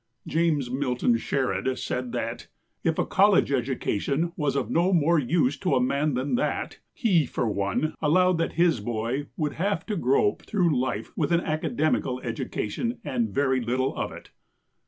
James Milton Sherrod said that "if a college education was of no more use to a man than that he, for one, allowed that his boy would have to grope through life with an academical education, and very little of it."